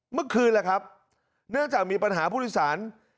เมื่อคืนแหละครับเนื่องจากมีปัญหาผู้โดยสาร